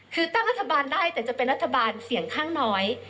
คือตั้งรัฐบาลได้แต่จะเป็นรัฐบาลเสียงข้างน้อย